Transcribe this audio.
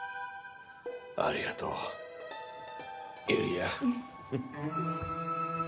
ありがとうユリア。